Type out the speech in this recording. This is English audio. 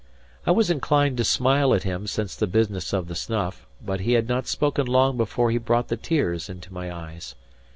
I was inclined to smile at him since the business of the snuff; but he had not spoken long before he brought the tears into my eyes.